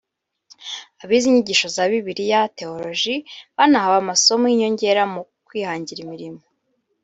Abize inyigisho za bibiliya (théologie) banahawe amasomo y’inyongera ku kwihangira imirimo